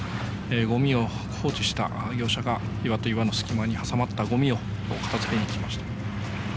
ごみを放置した業者が岩と岩の隙間に挟まったごみを片付けに来ました。